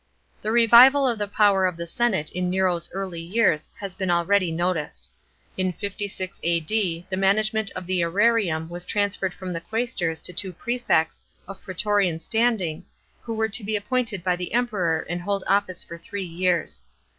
The revival of the power of the senate in Nero's early years has been already noticed. In 56 A.D. the management of the sera Hum was transierred from the quaestors to two prefects, of praetorian standing, who were to be appointed by the Kmpeior and hold office for three years.